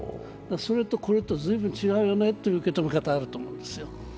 それとこれと随分違うよねという見方はあると思うんですよ。